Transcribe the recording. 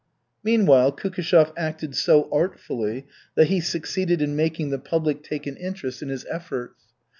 Meanwhile Kukishev acted so artfully that he succeeded in making the public take an interest in his efforts.